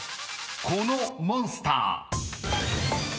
［このモンスター］